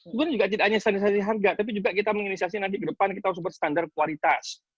kemudian juga tidak hanya standarisasi harga tapi juga kita menginisiasi nanti ke depan kita harus berstandar kualitas